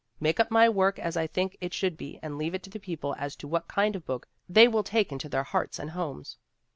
Make up my work as I think it should be and leave it to the people as to what kind of book they will take into their hearts and homes."